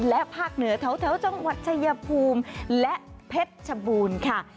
และภาคเหนือแถวจังหวัดชายภูมิและเพชรชบูรณ์ค่ะ